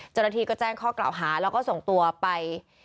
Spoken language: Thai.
เจ้าหน้าที่ก็แจ้งข้อกล่าวหาแล้วก็ส่งตัวไป